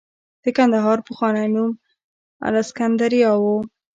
د کندهار پخوانی نوم الکسندریا و